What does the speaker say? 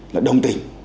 là đồng tình